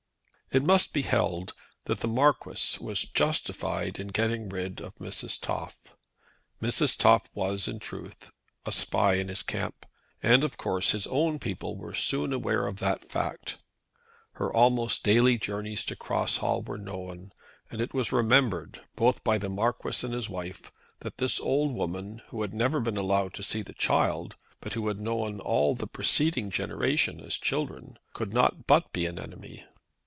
It must be held that the Marquis was justified in getting rid of Mrs. Toff. Mrs. Toff was, in truth, a spy in his camp, and, of course, his own people were soon aware of that fact. Her almost daily journeys to Cross Hall were known, and it was remembered, both by the Marquis and his wife, that this old woman, who had never been allowed to see the child, but who had known all the preceding generation as children, could not but be an enemy.